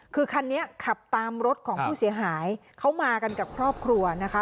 คือคันนี้ขับตามรถของผู้เสียหายเขามากันกับครอบครัวนะคะ